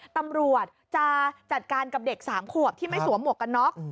ตำรวจจะจัดการกับเด็ก๓ขวบที่ไม่สวมหมวกกันน็อก